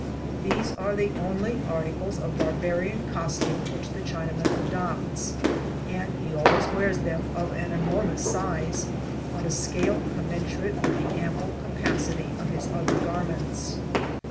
These are the only articles of barbarian costume which the Chinaman adopts, and he always wears them of an enormous size, on a scale commensurate with the ample capacity of his other garments.